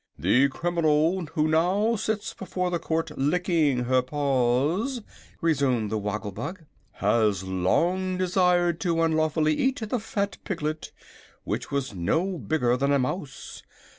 "The criminal who now sits before the court licking her paws," resumed the Woggle Bug, "has long desired to unlawfully eat the fat piglet, which was no bigger than a mouse.